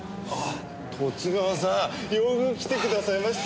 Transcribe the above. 十津川さんよぐ来てくださいました。